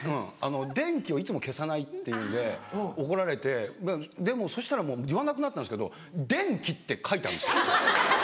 電気をいつも消さないってので怒られてでもそしたらもう言わなくなったんですけど「電気」って書いてあるんですよ。